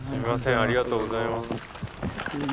ありがとうございます。